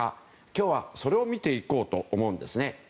今日はそれを見ていこうと思うんですね。